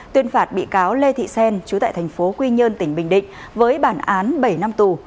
tuyên phạt bị cáo lê thị xen chú tại thành phố quy nhơn tỉnh bình định với bản án bảy năm tù